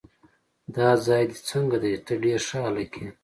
دا ځای دې څنګه دی؟ ته ډېر ښه هلک یې.